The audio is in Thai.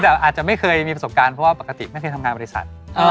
แต่อาจจะไม่เคยมีประสบการณ์เพราะว่าปกติไม่เคยทำงานบริษัท